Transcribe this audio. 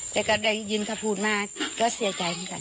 แต่ก็ได้ยินเขาพูดมาก็เสียใจเหมือนกัน